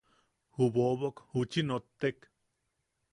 Ju bobok juchi nottek.